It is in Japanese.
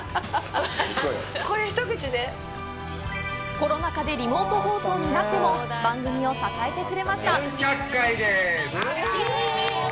コロナ禍でリモート放送になっても番組を支えてくれました。